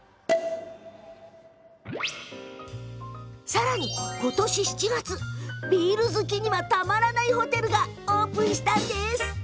さらに、今年７月ビール好きにはたまらないホテルがオープンしたんです。